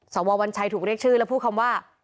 สววัญชัยถูกเรียกชื่อและพูดคำว่า